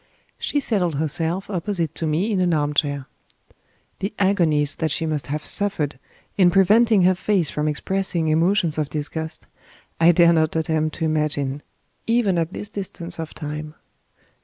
She settled herself opposite to me in an armchair. The agonies that she must have suffered, in preventing her face from expressing emotions of disgust, I dare not attempt to imagine, even at this distance of time.